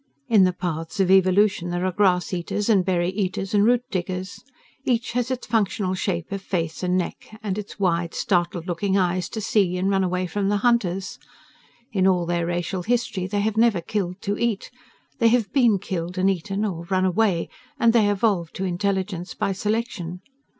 In the paths of evolution there are grass eaters and berry eaters and root diggers. Each has its functional shape of face and neck and its wide, startled looking eyes to see and run away from the hunters. In all their racial history they have never killed to eat. They have been killed and eaten, or run away, and they evolved to intelligence by selection.